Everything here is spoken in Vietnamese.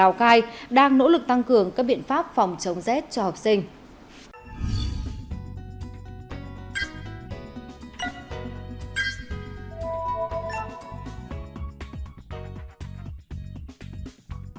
lào cai đang nỗ lực tăng cường các biện pháp phòng chống rét cho học sinh